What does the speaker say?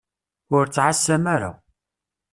Ur ttɛassam ara.